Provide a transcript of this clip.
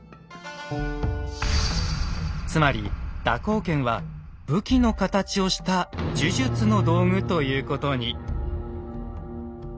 つまり蛇行剣は武器の形をした呪術の道具ということに。